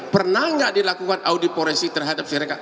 pernah gak dilakukan audioporesi terhadap sireka